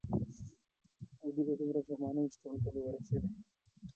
ډوډۍ به دومره پریمانه وه چې ټولو ته به رسېده.